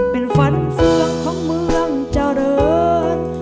เป็นฟันเฟืองของเมืองเจริญ